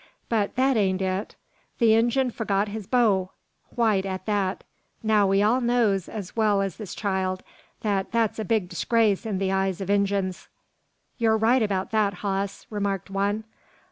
But that ain't it. The Injun forgot his bow; white at that. Now 'ee all knows as well as this child, that that's a big disgrace in the eyes o' Injuns." "You're right about that, hoss," remarked one.